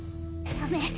ダメ。